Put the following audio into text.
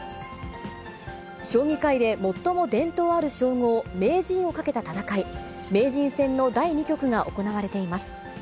将棋界で最も伝統ある称号、名人をかけた戦い、名人戦の第２局が行われています。